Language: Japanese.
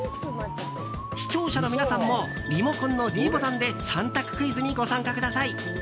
視聴者の皆さんもリモコンのｄボタンで３択クイズにご参加ください。